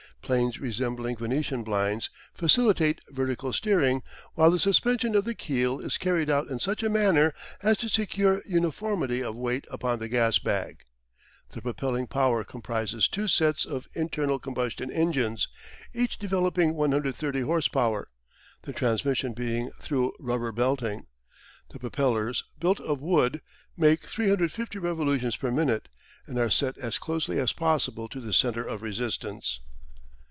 Planes resembling Venetian blinds facilitate vertical steering, while the suspension of the keel is carried out in such a manner as to secure uniformity of weight upon the gas bag. The propelling power comprises two sets of internal combustion engines, each developing 130 horse power, the transmission being through rubber belting. The propellers, built of wood, make 350 revolutions per minute, and are set as closely as possible to the centre of resistance.